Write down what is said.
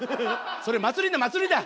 それ「祭りだ祭りだ」！